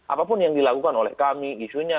apapun yang dilakukan oleh kami isunya